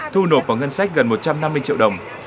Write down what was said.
thu nộp vào ngân sách gần một trăm năm mươi triệu đồng